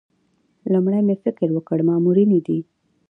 لومړی مې فکر وکړ مامورینې دي.